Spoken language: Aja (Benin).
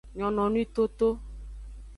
Nyononwi toto.